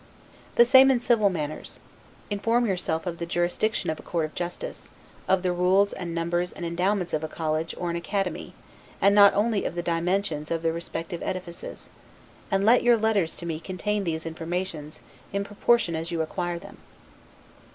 The same in civil matters: inform yourself of the jurisdiction of a court of justice; of the rules and numbers and endowments of a college, or an academy, and not only of the dimensions of the respective edifices; and let your letters to me contain these informations, in proportion as you acquire them.